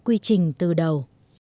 quy trình từ đầu